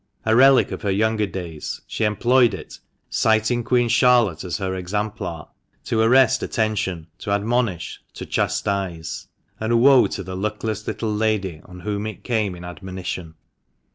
A relic of her younger days, she employed it — citing Queen Charlotte as her examplar — to arrest attention, to admonish, to chastise ; and woe to the luckless little lady on whom it came in admonition